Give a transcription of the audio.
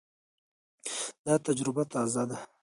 دا تجربه تازه ده.